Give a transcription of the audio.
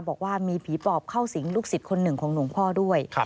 บอกว่ามีผีปอบเข้าสิงลูกศิษย์คนหนึ่งของหลวงพ่อด้วย